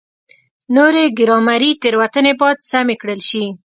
نورې ګرامري تېروتنې باید سمې کړل شي.